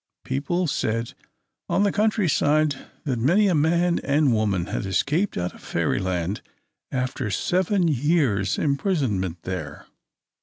People said on the country side that many a man and woman had escaped out of Fairyland after seven years' imprisonment there.